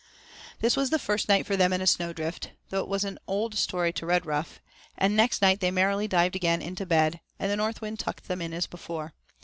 This was the first night for them in a snow drift, though it was an old story to Redruff, and next night they merrily dived again into bed, and the north wind tucked them in as before.